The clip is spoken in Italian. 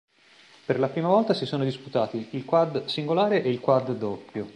Per la prima volta si sono disputati il quad singolare e il quad doppio.